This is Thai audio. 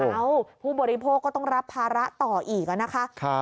ผู้บริโภคก็ต้องรับภาระต่ออีกนะคะ